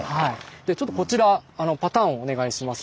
ちょっとこちらパターンをお願いします。